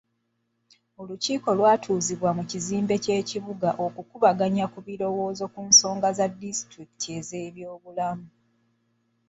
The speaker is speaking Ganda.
Olukiiko lwatuuziddwa mu kizimbe ky'ekibuga okukubaganya ebirowoozo ku nsonga za disituliki ez'ebyobulamu.